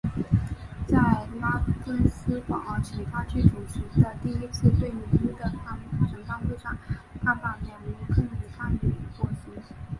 在拉芬斯堡请他去主持的第一次对女巫的审判会上他把两名妇女判处火刑。